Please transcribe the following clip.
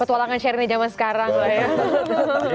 petualangan sharing di zaman sekarang lah ya